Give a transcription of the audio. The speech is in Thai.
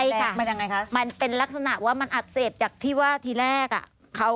ใช่ค่ะมันเป็นลักษณะว่ามันอักเสบจากที่ว่าทีแรก